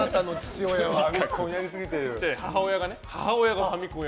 母親がファミコンを。